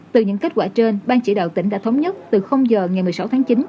từ những kết quả trên ban chỉ đạo tỉnh đã thống nhất từ giờ ngày một mươi sáu tháng chín